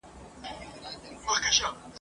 د لېوه بچی لېوه سي !.